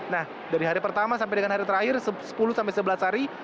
nah dari hari pertama sampai dengan hari terakhir sepuluh sampai sebelas hari